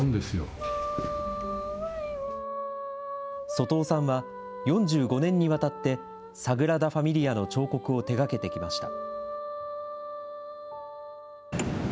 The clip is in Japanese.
外尾さんは、４５年にわたって、サグラダ・ファミリアの彫刻を手がけてきました。